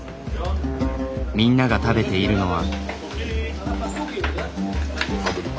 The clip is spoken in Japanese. みんなが食べているのは。